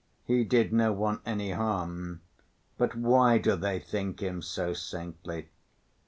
He did no one any harm, but "Why do they think him so saintly?"